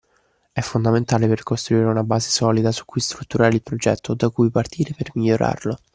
È fondamentale per costruire una base solida su cui strutturare il progetto o da cui partire per migliorarlo.